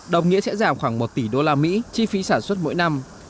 đồng nghĩa sẽ giảm khoảng một tỷ usd chi phí sản xuất mỗi năm